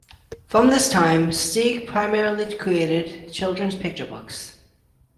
From this time, Steig primarily created children's picture books.